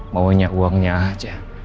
maunya uangnya aja